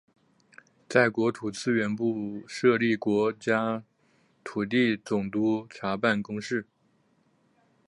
在国土资源部设立国家土地总督察办公室。